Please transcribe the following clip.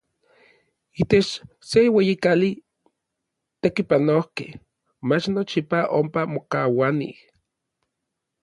Itech se ueyi kali, n tekipanojkej mach nochipa ompa mokauanij.